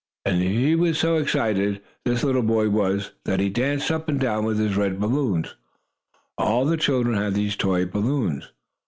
and he was so excited, this little boy was, that he danced up and down with his red balloon. All the children had these toy balloons.